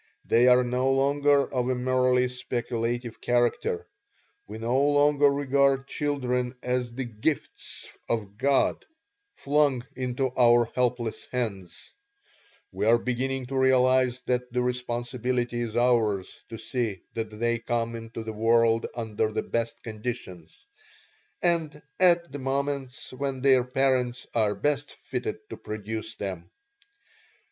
They are no longer of a merely speculative character. We no longer regard children as the 'gifts of God' flung into our helpless hands; we are beginning to realize that the responsibility is ours to see that they come into the world under the best conditions, and at the moments when their parents are best fitted to produce them.